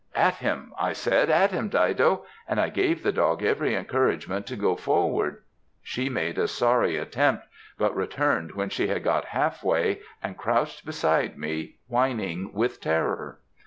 'At him!' I said, 'At him, Dido!' and I gave the dog every encouragement to go forward; she made a sorry attempt, but returned when she had got half way and crouched beside me whining with terror.